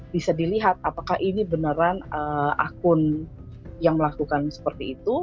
bisa dilihat apakah ini beneran akun yang melakukan seperti itu